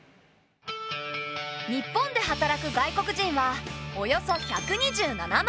日本で働く外国人はおよそ１２７万人。